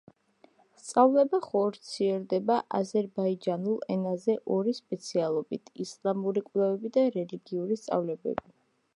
სწავლება ხორციელდება აზერბაიჯანულ ენაზე ორი სპეციალობით: ისლამური კვლევები და რელიგიური სწავლებები.